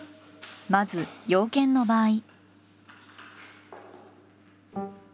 まず洋犬の場合。